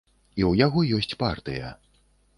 І ў яго ёсць партыя.